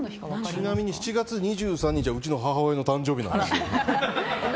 ちなみに７月２３日はうちの母親の誕生日なんですよ。